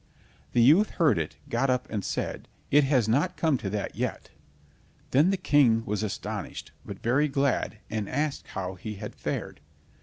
The youth heard it, got up, and said: "It has not come to that yet." Then the King was astonished, but very glad, and asked how he had fared.